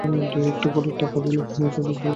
দুটো একটা কলের টাকা না দিলে তো বিপদে পড়ি ককা?